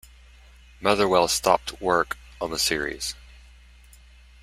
Motherwell stopped work on the series.